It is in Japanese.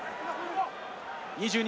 ２２